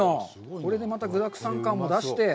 これでまた具だくさん感も出して。